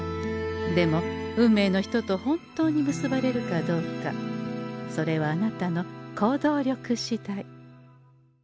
でも運命の人と本当に結ばれるかどうかそれはあなたの行動力しだい。